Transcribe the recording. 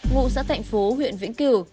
ngụ xã thành phố huyện vĩnh kiểu